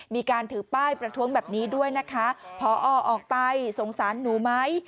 มีการถือป้ายประท้วงแบบนี้ด้วยนะคะพอออกไปสงสารหนูไหม